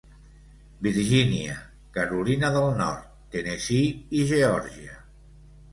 Virgínia, Carolina del Nord, Tennessee i Geòrgia.